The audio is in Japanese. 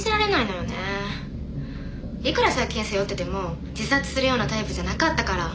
いくら借金背負ってても自殺するようなタイプじゃなかったから。